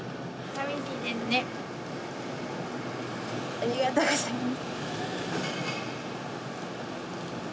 ありがとうございます。